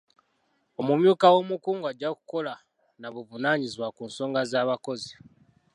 Omumyuka w'omukungu ajja kukola n'avunaanyizibwa ku nsonga z'abakozi.